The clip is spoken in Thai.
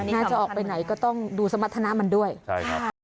น่าจะออกไปไหนก็ต้องดูสมรรถนะมันด้วยใช่ครับ